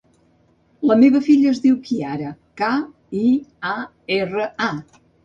La meva filla es diu Kiara: ca, i, a, erra, a.